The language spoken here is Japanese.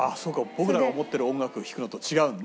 僕らが思ってる音楽を弾くのと違うのね。